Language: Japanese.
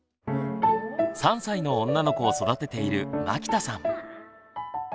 ３歳の女の子を育てている牧田さん。